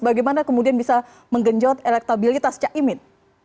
bagaimana kemudian bisa menggenjot elektabilitas cak imin